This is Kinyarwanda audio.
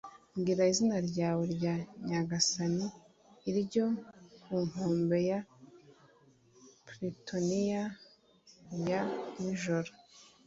mbwira izina ryawe rya nyagasani iryo ku nkombe ya plutoniya ya nijoro